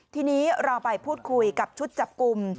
ทีนี้เราไปพูดคุยกับชุดจับกลุ่ม